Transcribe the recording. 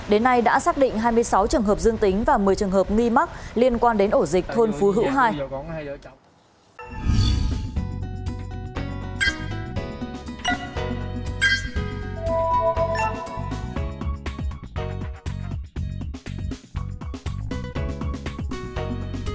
đến nay đã xác định hai mươi sáu trường hợp dương tính và một mươi trường hợp nghi mắc liên quan đến ổ dịch thôn phú hữu hai